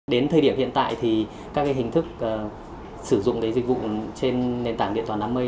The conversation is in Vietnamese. đến thời điểm hiện tại thì các hình thức sử dụng dịch vụ trên nền tảng điện toán đám mây